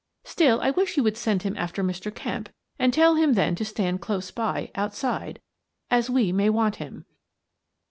Still, I wish you would send him after Mr. Kemp and tell him then to stand close by, outside, as we may want him."